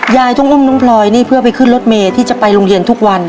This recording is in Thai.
ยายต้องอุ้มน้องพลอยนี่เพื่อไปขึ้นรถเมย์ที่จะไปโรงเรียนทุกวัน